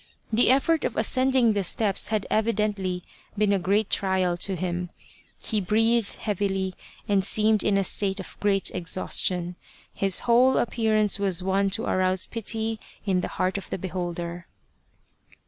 The effort of ascending the steps had evidently been a great trial to him, he breathed heavily and seemed in a state of great exhaustion. His whole appearance was one to arouse pity in the heart of the beholder.